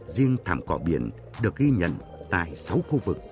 riêng thảm cỏ biển được ghi nhận tại sáu khu vực